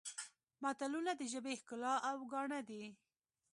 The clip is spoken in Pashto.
متلونه د ژبې ښکلا او ګاڼه دي